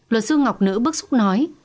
luật sư ngọc nữ bức xúc nói